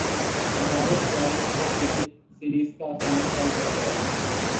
Zimbabwe میں جاری سہ ملکی سیریز کا فائنل کل کھیلا جائے گا